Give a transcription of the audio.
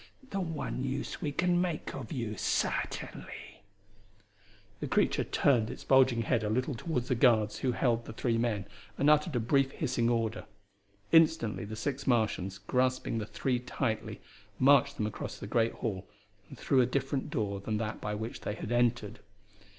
The one use we can make of you, certainly." The creature turned its bulging head a little towards the guards who held the three men, and uttered a brief hissing order. Instantly the six Martians, grasping the three tightly, marched them across the great hall and through a different door than that by which they had entered.